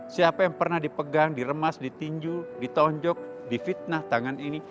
siapa yang pernah dipegang diremas ditinju ditonjok difitnah tangan ini